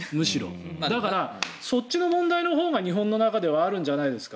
だからそっちの問題のほうが日本の中ではあるんじゃないですか。